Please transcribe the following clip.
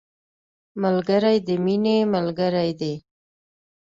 ملګری د مینې ملګری دی